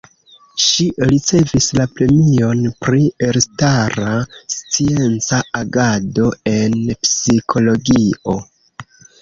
Ŝi ricevis la premion pri elstara scienca agado en Psikologio.